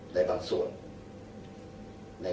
ในบางส่วน